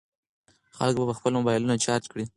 خلک به خپل موبایلونه چارج کړي.